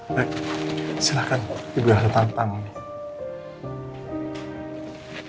baik silahkan ibu elsa tanda tangan